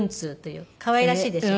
可愛らしいでしょ？